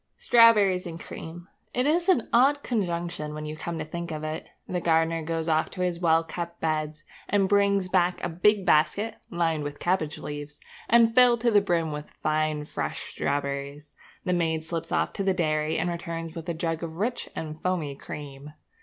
Strawberries and cream! It is an odd conjunction when you come to think of it. The gardener goes off to his well kept beds and brings back a big basket, lined with cabbage leaves, and filled to the brim with fine fresh strawberries. The maid slips off to the dairy and returns with a jug of rich and foamy cream.